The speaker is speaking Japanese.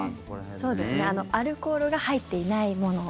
そうですねアルコールが入っていないもの。